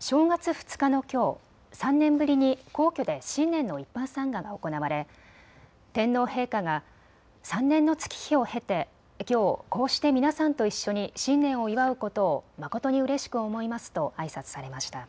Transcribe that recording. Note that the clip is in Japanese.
正月２日のきょう、３年ぶりに皇居で新年の一般参賀が行われ天皇陛下が３年の月日を経てきょう、こうして皆さんと一緒に新年を祝うことを誠にうれしく思いますとあいさつされました。